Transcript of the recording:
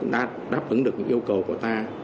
đã đáp ứng được những yêu cầu của ta